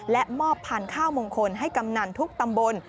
และมอบพันธุ์ข้าวมงคลให้กำนันทุกตำบล